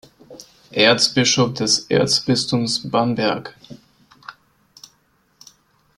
Erzbischof des Erzbistums Bamberg.